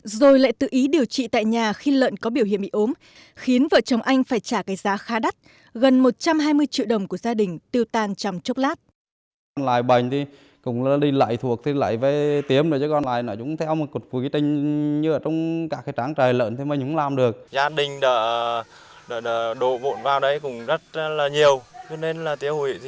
rồi lại tự ý điều trị tại nhà khi lợn có biểu hiện bị ốm khiến vợ chồng anh phải trả cái giá khá đắt gần một trăm hai mươi triệu đồng của gia đình tiêu tan trong chốc lát